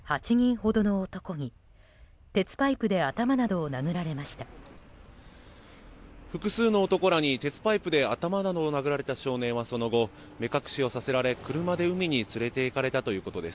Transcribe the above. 複数の男らに鉄パイプで頭などを殴られた少年はその後、目隠しをさせられ車で海に連れていかれたということです。